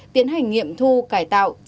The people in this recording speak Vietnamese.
tiến hành nghiệm thu cải tạo